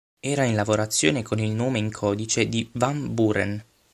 Era in lavorazione con il nome in codice di "Van Buren".